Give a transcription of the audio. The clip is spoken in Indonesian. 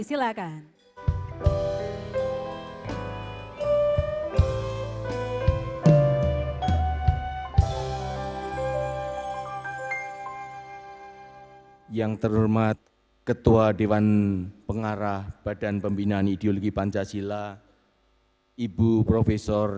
silakan yang terhormat ketua dewan pengarah badan pembinaan ideologi pancasila ibu prof